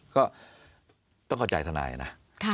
ก็ต้องเข้าใจทนายนะ